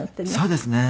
そうですね。